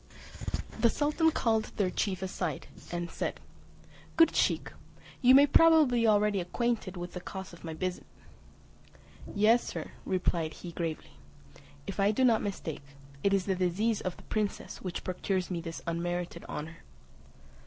The sultan called their chief aside, and said, "Good Sheik, you may probably be already acquainted with the cause of my visit." "Yes, Sir," replied he gravely, "if I do not mistake, it is the disease of the princess which procures me this unmerited honour."